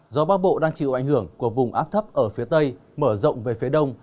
gió bắc bộ đang chịu ảnh hưởng của vùng áp thấp ở phía tây mở rộng về phía đông